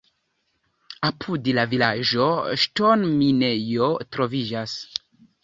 Apud la vilaĝo ŝtonminejo troviĝas.